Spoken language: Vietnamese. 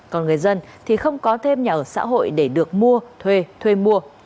còn người dân thì không có thêm nhà ở xã hội để được mua thuê thuê mua